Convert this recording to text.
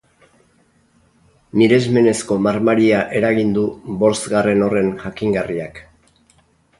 Miresmenezko marmaria eragin du borzgarren horren jakingarriak.